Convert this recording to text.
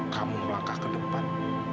kamu melangkah ke depan